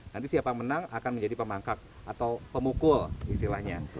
nanti siapa menang akan menjadi pemangkak atau pemukul istilahnya